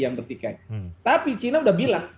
yang vertikai tapi china sudah bilang